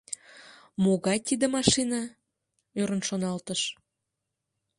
«Могай тиде машина? — ӧрын шоналтыш.